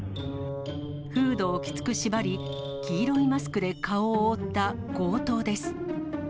フードをきつく縛り、黄色いマスクで顔を覆った強盗です。